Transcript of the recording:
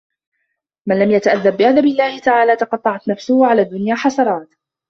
مَنْ لَمْ يَتَأَدَّبْ بِأَدَبِ اللَّهِ تَعَالَى تَقَطَّعَتْ نَفْسُهُ عَلَى الدُّنْيَا حَسَرَاتِ